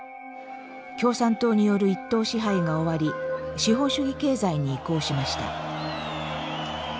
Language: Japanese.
共産党による一党支配が終わり資本主義経済に移行しました。